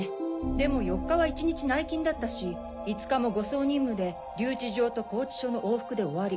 でも４日は一日内勤だったし５日も護送任務で留置場と拘置所の往復で終わり。